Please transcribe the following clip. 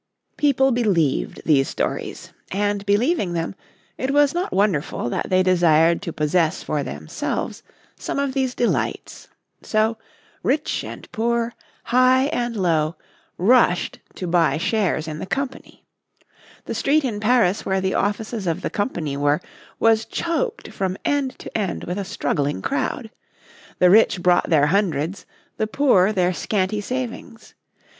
People believed these stories. And, believing them, it was not wonderful that they desired to possess for themselves some of these delights. So, rich and poor, high and low, rushed to buy shares in the Company. The street in Paris where the offices of the Company were was choked from end to end with a struggling crowd. The rich brought their hundreds, the poor their scanty savings.